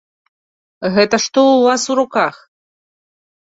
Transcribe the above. Гэта што ў вас у руках?